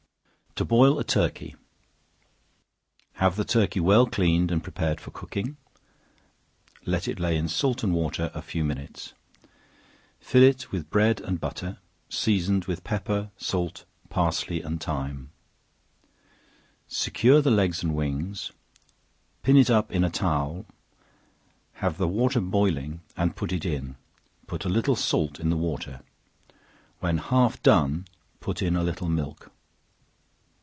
To Boil a Turkey. Have the turkey well cleaned and prepared for cooking, let it lay in salt and water a few minutes; fill it with bread and butter, seasoned with pepper, salt, parsley and thyme; secure the legs and wings, pin it up in a towel, have the water boiling, and put it in, put a little salt in the water; when half done, put in a little milk.